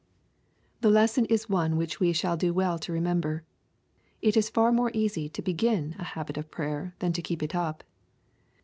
The lesson is one which we shall do well to remember. It is far naore easy to begin a habit of prayer than to keep it up.